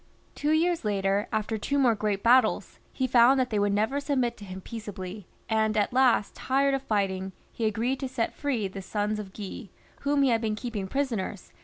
Two years later, after two more great battles, he found that they would never submit to him peaceably, and at last, tired of fighting, he agreed to set free the sons of Guy, whom he had been keeping prisoners, 136 PHILIP IV.